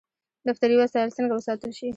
دفتري وسایل څنګه وساتل شي؟